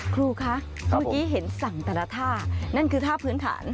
ครูคะเมื่อกี้เห็นสั่งแต่ละท่านั่นคือท่าพื้นฐาน